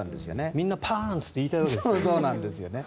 みんなパンツ！って言いたいんですね。